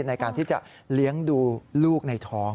ในการที่จะเลี้ยงดูลูกในท้อง